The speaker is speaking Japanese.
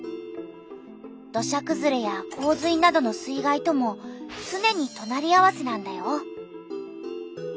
土砂くずれや洪水などの水害ともつねにとなり合わせなんだよ。